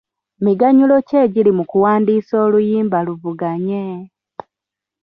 Miganyulo ki egiri mu kuwandiisa oluyimba luvuganye?